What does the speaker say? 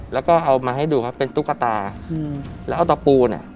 แล้วก็เอามาให้ดูครับเป็นตุ๊กตาอืมแล้วเอาตะปูน่ะ